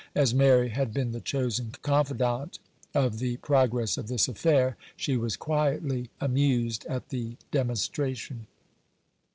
As Mary had been the chosen confidant of the progress of this affair, she was quietly amused at the demonstration.